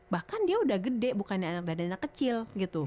bahkan dia udah gede bukannya anak anak kecil gitu